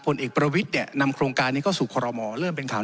ผลเอกประวิทย์เนี่ยนำโครงการนี้เข้าสู่คอรมอเริ่มเป็นข่าว